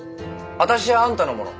あたしはあんたのもの。